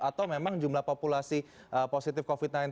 atau memang jumlah populasi positif covid sembilan belas